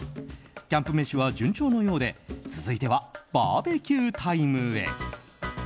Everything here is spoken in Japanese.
キャンプ飯は順調のようで続いてはバーベキュータイムへ。